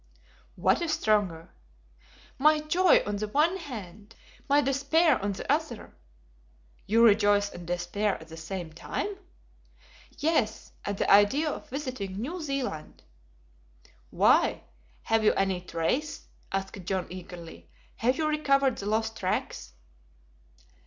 "What is stronger?" "My joy on the one hand, my despair on the other." "You rejoice and despair at the same time!" "Yes; at the idea of visiting New Zealand." "Why! have you any trace?" asked John, eagerly. "Have you recovered the lost tracks?"